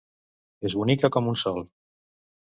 És bonica com un sol.